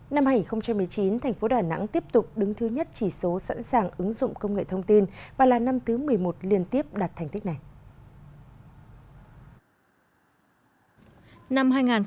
năm hai nghìn một mươi chín thành phố đà nẵng tiếp tục đứng thứ nhất chỉ số sẵn sàng ứng dụng công nghệ thông tin và là năm thứ một mươi một liên tiếp đạt thành tích này